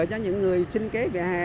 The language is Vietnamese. cho những người sinh kế vỉa hè